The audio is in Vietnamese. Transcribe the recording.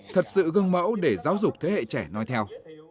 thật sự gương mẫu để giáo dục thế hệ trẻ nói theo